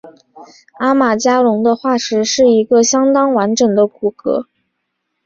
阿马加龙的化石是一个相当完整的骨骼。